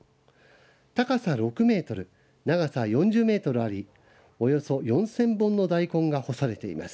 高さ６メートル長さ４０メートルありおよそ４０００本の大根が干されています。